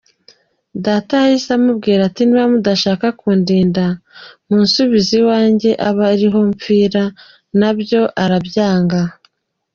Data yahise amubwira ati “Niba mudashaka kundinda, munsubize iwanjye abe ariho mpfira, nabyo arabyanga.